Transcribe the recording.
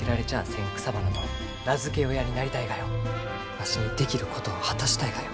わしにできることを果たしたいがよ。